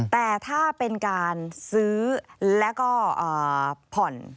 แต่ถ้าเป็นการซื้อแล้วก็ผ่อน